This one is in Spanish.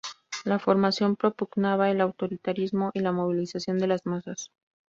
La formación propugnaba el autoritarismo y la movilización de las masas.